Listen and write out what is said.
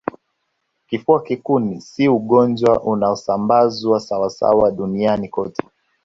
Kifua kikuu si ugonjwa unaosambazwa sawasawa duniani kote